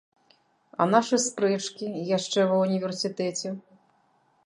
А нашы спрэчкі яшчэ ва універсітэце?